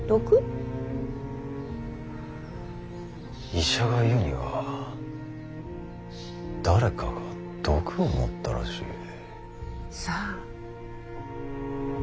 医者が言うには誰かが毒を盛ったらしい。さあ。